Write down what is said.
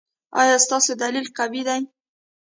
ایا ستاسو دلیل قوي دی؟